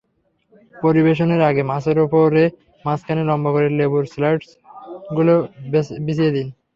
পরিবেশনের আগে মাছের ওপরে মাঝখানে লম্বা করে লেবুর স্লাইসগুলো বিছিয়ে দিন।